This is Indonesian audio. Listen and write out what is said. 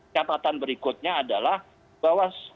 catatan berikutnya adalah bahwa